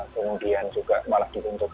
kemudian juga malah dibentuk